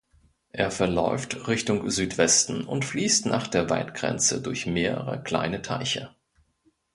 Er verläuft Richtung Südwesten und fließt nach der Waldgrenze durch mehrere kleine Teiche.